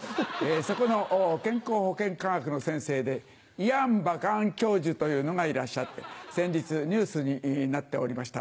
そこの健康保健科学の先生でイヤン・バカン教授というのがいらっしゃって先日ニュースになっておりました。